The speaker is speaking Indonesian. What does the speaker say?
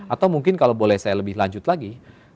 atau mungkin kalau boleh saya lebih lanjut lagi